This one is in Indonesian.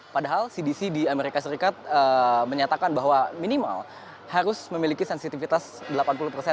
padahal cdc di amerika serikat menyatakan bahwa minimal harus memiliki sensitivitas delapan puluh persen